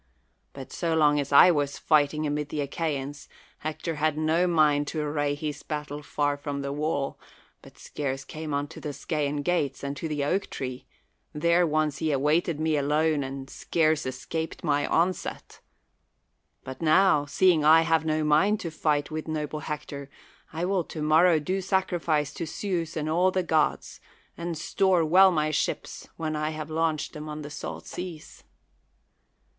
But so long as I was fighting amid the Achaians, Hector had no mind to array his battle far from the wall, but scarce came unto the Skaian gates and to the oak tree ; there once he awaited me alone and scarce escaped my onset. But now, seeing I have no mind to fight with noble Hector, I will to morrow do sacrifice to Zeus and all the gods, and store well my ships when I have launched them on the salt seas.